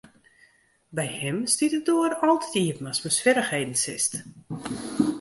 By him stiet de doar altyd iepen ast mei swierrichheden sitst.